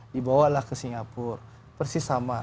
dibawalah ke singapura persis sama